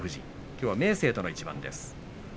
きょうは明生との一番です。